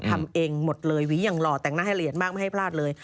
ทำเองหมดเลยหวีอย่างหล่อแต่งหน้าให้เหรียญมากไม่ให้พลาดเลย